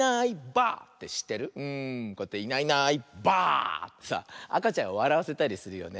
こうやって「いないいないばあ！」ってさあかちゃんをわらわせたりするよね。